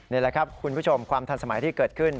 นี่แหละครับคุณผู้ชมความทันสมัยที่เกิดขึ้น